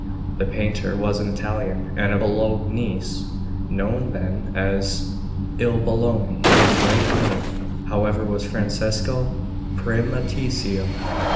The painter was an Italian and a Bolognese, known then as Il Bologna; his right name, however, was Francesco Primaticcio.